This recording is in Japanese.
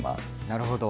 なるほど。